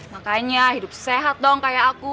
makanya hidup sehat dong kayak aku